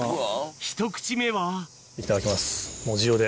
ひと口目はいただきます藻塩で。